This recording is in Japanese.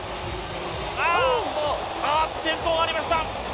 あっ、転倒がありました。